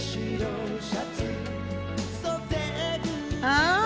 あ！